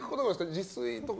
自炊とか。